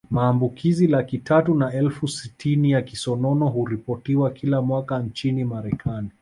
Maambukizi laki tatu na elfu sitini ya kisonono huripotiwa kila mwaka nchini Marekani